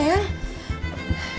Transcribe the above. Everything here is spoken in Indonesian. kayak orang ketakutan